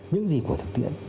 những gì của thực tiễn